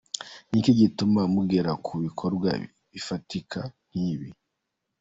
Ni iki gituma mugera ku bikorwa bifatika nk’ibi?.